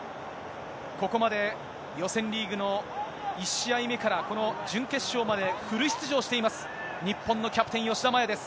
ここまで予選リーグの１試合目からこの準決勝まで、フル出場しています、日本のキャプテン、吉田麻也です。